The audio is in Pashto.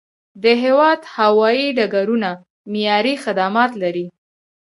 د هیواد هوایي ډګرونه معیاري خدمات لري.